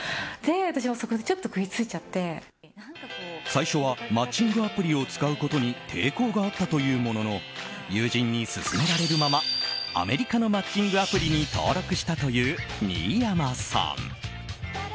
最初はマッチングアプリを使うことに抵抗があったというものの友人に勧められるままアメリカのマッチングアプリに登録したという、新山さん。